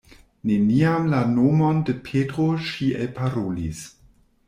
Neniam la nomon de Petro ŝi elparolis.